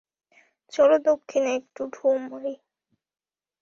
চলো, দক্ষিণে একটা ঢুঁ মারি।